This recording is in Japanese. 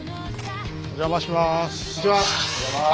お邪魔します。